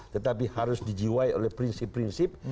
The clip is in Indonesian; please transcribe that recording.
tetapi harus dijiwai oleh prinsip prinsip